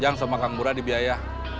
kang ujang sama kang murad di biaya